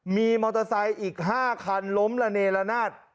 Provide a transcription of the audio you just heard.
มีมอเตอร์ไซค์อีก๕คันล้มละเนละนาด